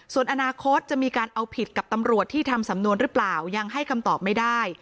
ส่วนอนาคตจะมีการเอาผิดกับตำรวจที่ทำสำนวนหรือเปล่ายังให้คำตอบไม่ได้